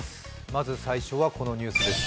まず最初はこのニュースです。